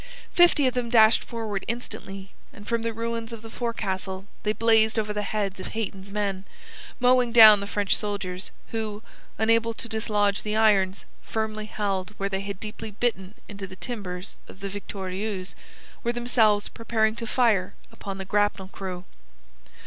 Fifty of them dashed forward instantly, and from the ruins of the forecastle they blazed over the heads of Hayton's men, mowing down the French soldiers who, unable to dislodge the irons, firmly held where they had deeply bitten into the timbers of the Victorieuse, were themselves preparing to fire upon the grapnel crew.